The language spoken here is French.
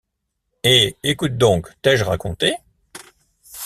Et, écoute donc, t’ai-je raconté?...